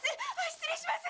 失礼します！